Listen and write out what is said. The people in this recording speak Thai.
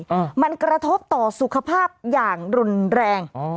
อืมมันกระทบต่อสุขภาพอย่างรุนแรงอ๋อ